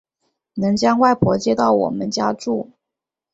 能将外婆接到我们家住